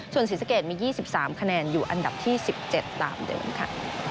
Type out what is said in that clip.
ส่วนศรีสะเกดมียี่สิบสามคะแนนอยู่อันดับที่สิบเจ็ดตามเดิมค่ะ